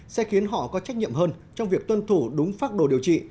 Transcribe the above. sẽ khiến họ có trách nhiệm hơn trong việc tuân thủ đúng pháp đồ điều trị